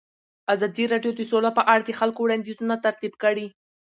ازادي راډیو د سوله په اړه د خلکو وړاندیزونه ترتیب کړي.